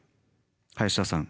林田さん